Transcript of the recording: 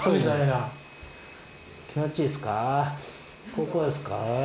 ここですか？